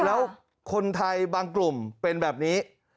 แล้วคนไทยบางกลุ่มเป็นแบบนี้